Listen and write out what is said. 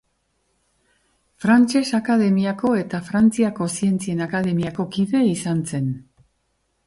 Frantses Akademiako eta Frantziako Zientzien Akademiako kide izan zen.